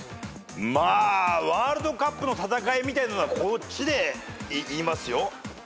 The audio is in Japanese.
ワールドカップのたたかいみたいなのはこっちで言いますよ。